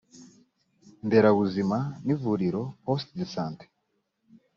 nderabuzima n ivuriro poste de sant